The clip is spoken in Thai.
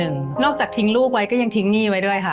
นอกจากทิ้งลูกไว้ก็ยังทิ้งหนี้ไว้ด้วยค่ะ